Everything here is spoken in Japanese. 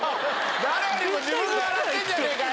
誰よりも自分が笑ってんじゃねえかよ！